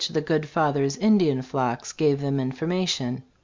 the good Fathers' Indian flocks gave them information.